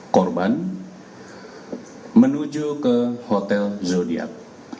korban menuju ke hotel zodiac